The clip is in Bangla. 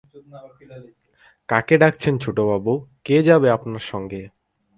কাকে ডাকছেন ছোটবাবু, কে যাবে আপনার সঙ্গে?